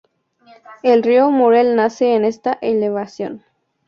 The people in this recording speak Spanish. El río Murrell nace en esta elevación.